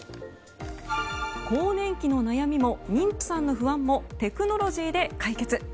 更年期の悩みも妊婦さんの不安もテクノロジーで解決。